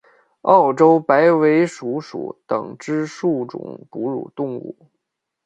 澳洲白尾鼠属等之数种哺乳动物。